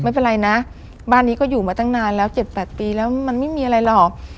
ไม่เป็นไรนะบ้านนี้ก็อยู่มาตั้งนานแล้ว๗๘ปีแล้วมันไม่มีอะไรหรอก